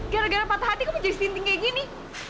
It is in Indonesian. gara gara patah hati kamu jadi stinting kayak gini